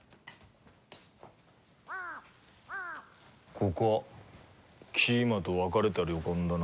ここキーマと別れた旅館だな。